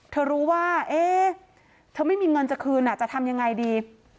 เธอรู้ว่าเอ๊ะเธอไม่มีเงินจะคืนจะทำยังไงดี